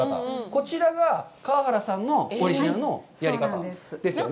こちらが川原さんのオリジナルのやり方ですよね。